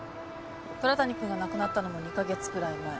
虎谷君が亡くなったのも２カ月くらい前。